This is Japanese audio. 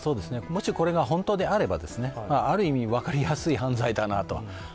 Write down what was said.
もしこれが本当であれば、ある意味、分かりやすい犯罪だなと。